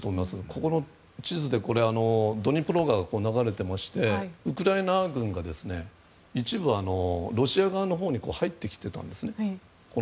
ここの地図でドニプロ川が流れていましてウクライナ軍が一部ロシア側のほうに入ってきてたんですね。